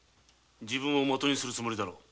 自分を的にするつもりだろう。